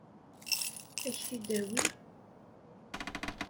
Ad k-t-id-tawi?